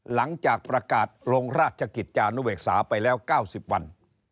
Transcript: หลังจากประกาศลงราชกิจจานุเวกษาไปแล้ว๙๐วัน